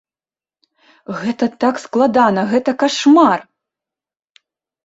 Гэта так складана, гэта кашмар!